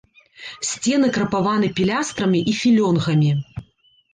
Сцены крапаваны пілястрамі і філёнгамі.